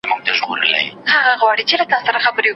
څېړونکی د سرچینو دقت ارزوي.